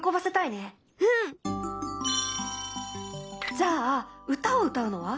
じゃあ歌を歌うのは？